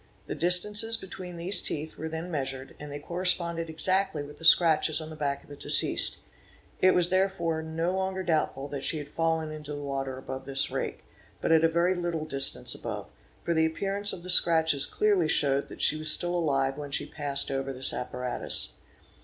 The distances between these teeth were then measured and they corresponded exactly with the scratches on the back of the deceased ; it was therefore no longer doubtful, that she had fallen into the water above this rake, but at a very little distance above,—for the appearance of the scratches clearly showed that she was still alive when she passed over this apparatus.